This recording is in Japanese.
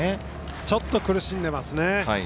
ちょっと苦しんでいますね。